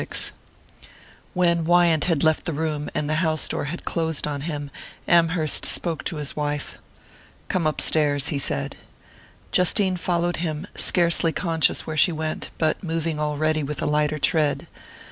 XXXVI WHEN Wyant had left the room, and the house door had closed on him, Amherst spoke to his wife. "Come upstairs," he said. Justine followed him, scarcely conscious where she went, but moving already with a lighter tread.